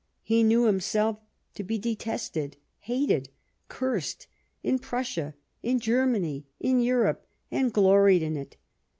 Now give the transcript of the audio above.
He knew himself to be detested, hated, cursed, in Prussia, in Germany, in Europe, and gloried in it.